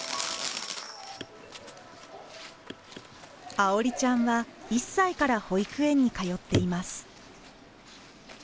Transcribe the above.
愛織ちゃんは１歳から保育園に通っています。